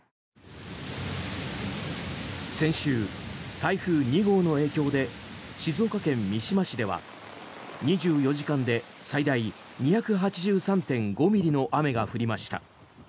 先週、台風２号の影響で静岡県三島市では２４時間で最大２８３．５ミリの雨が降りました。